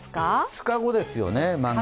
２日後ですよね。